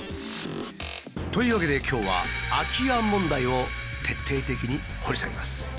というわけで今日は空き家問題を徹底的に掘り下げます。